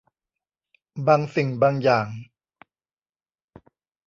บางสิ่งบางอย่าง